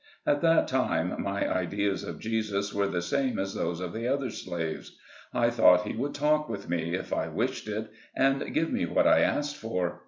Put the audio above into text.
At that time, my ideas of Jesus were the same as those of the other slaves. I thought he would talk with me, if I wished it, and give me what I asked for.